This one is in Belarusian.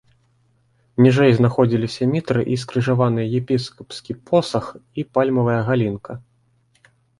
Ніжэй знаходзіліся мітра і скрыжаваныя епіскапскі посах і пальмавая галінка.